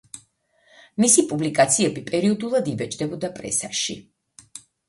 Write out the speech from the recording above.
მისი პუბლიკაციები პერიოდულად იბეჭდებოდა პრესაში.